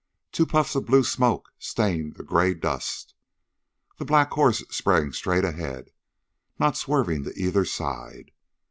Two puffs of blue smoke stained the gray dust. The black horse sprang straight ahead, not swerving to either side.